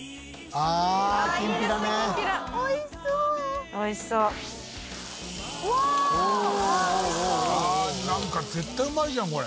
ああなんか絶対うまいじゃんこれ。